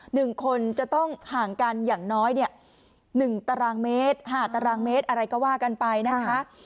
หนึ่งคนจะต้องห่างกันอย่างน้อยเนี่ยหนึ่งตารางเมตรห้าตารางเมตรอะไรก็ว่ากันไปนะคะ